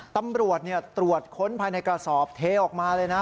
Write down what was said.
ตำรวจตรวจค้นภายในกระสอบเทออกมาเลยนะ